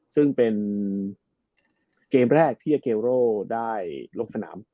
ซึ่งเป็นเกมแรกที่อาเกโรได้ลงสนาม